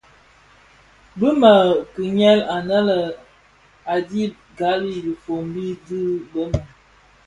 Bi bë nkikuel, anë a dhi bi ghali dhifombi di bëmun.